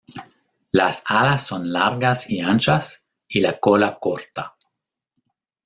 Las alas son largas y anchas y la cola corta.